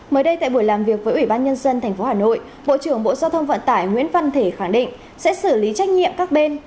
mới đây tại buổi làm việc với ủy ban nhân dân tp hà nội bộ trưởng bộ giao thông vận tải nguyễn văn thể khẳng định sẽ xử lý trách nhiệm các bên